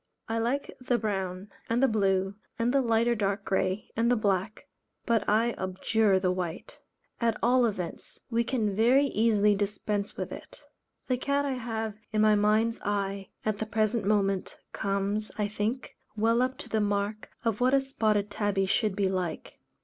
I like the brown, and the blue, and light or dark grey, and the black, but I abjure the white; at all events we can very easily dispense with it. The cat I have in my mind's eye at the present moment, comes, I think, well up to the mark of what a Spotted Tabby should be like.